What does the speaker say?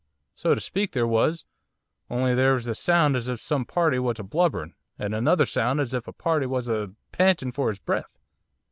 'So to speak there was, only there was this sound as if some party was a blubbering, and another sound as if a party was a panting for his breath.